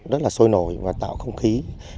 rất là sôi nổi và tạo không khí